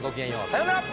さようなら！